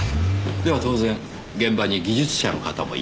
では当然現場に技術者の方もいらっしゃる。